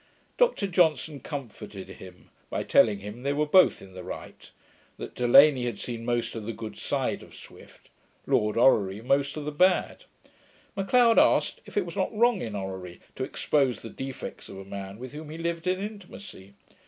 Dr Johnson comforted him, by telling him they were both in the right; that Delany had seen most of the good side of Swift, Lord Orrery most of the bad. M'Leod asked, if it was not wrong in Orrery to expose the defects of a man with whom he lived in intimacy.